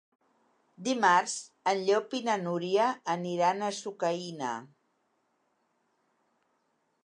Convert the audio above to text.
Dimarts en Llop i na Núria aniran a Sucaina.